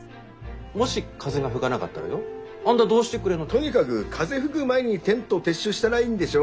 もし風が吹がながったらよあんだどうしてくれんの。とにかぐ風吹ぐ前にテント撤収したらいいんでしょ？